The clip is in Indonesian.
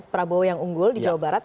prabowo yang unggul di jawa barat